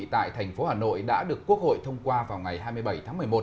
tại thành phố hà nội đã được quốc hội thông qua vào ngày hai mươi bảy tháng một mươi một